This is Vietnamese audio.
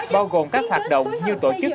bao gồm các hoạt động như tổ chức